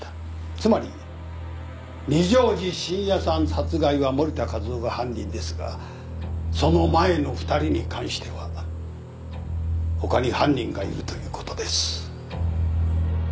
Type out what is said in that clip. つまり二条路信也さん殺害は盛田和夫が犯人ですがその前の２人に関しては他に犯人がいるということです。